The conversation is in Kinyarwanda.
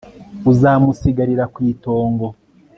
uzamusigarira ku itongo